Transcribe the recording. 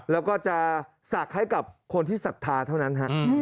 แล้วก็จะสากให้กับคนที่ศัฒนาเท่านั้น